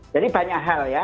jadi banyak hal ya